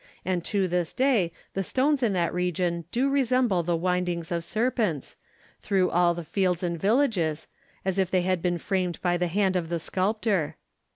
And to this day the stones in that region do resemble the windings of serpents, through all the fields and villages, as if they had been framed by the hand of the sculptor.'